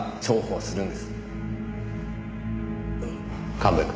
神戸君。